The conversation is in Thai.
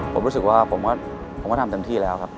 ผมรู้สึกว่าผมก็ทำเต็มที่แล้วครับ